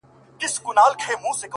زه هم دا ستا له لاسه ـ